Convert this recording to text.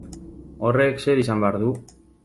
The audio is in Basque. Horrek zer izan behar du?